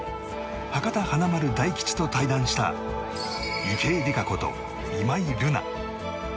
博多華丸・大吉と対談した池江璃花子と今井月。